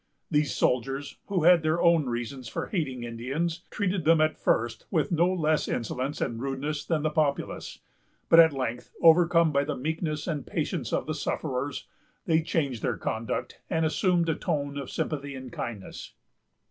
These soldiers, who had their own reasons for hating Indians, treated them at first with no less insolence and rudeness than the populace; but at length, overcome by the meekness and patience of the sufferers, they changed their conduct, and assumed a tone of sympathy and kindness.